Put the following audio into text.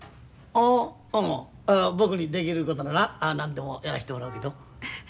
ああ僕にできることなら何でもやらしてもらうけど。